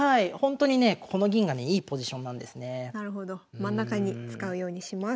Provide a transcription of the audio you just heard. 真ん中に使うようにします。